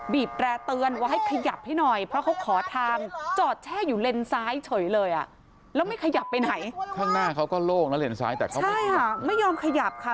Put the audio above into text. นั่นเหลี่ยนซ้ายแต่เขาไม่ใช่ไม่ยอมขยับค่ะ